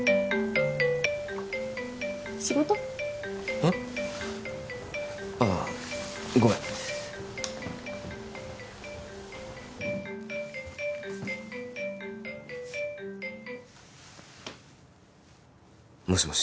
うん？ああごめんもしもし？